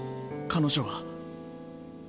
彼女は。